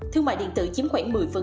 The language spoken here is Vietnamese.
thương mại điện tử chiếm khoảng một mươi